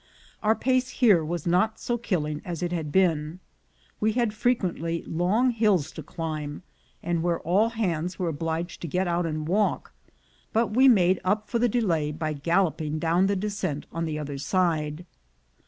Our pace here was not so killing as it had been. We had frequently long hills to climb, where all hands were obliged to get out and walk; but we made up for the delay by galloping down the descent on the other side.